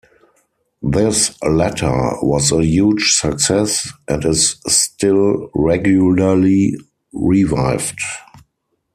This latter was a huge success and is still regularly revived.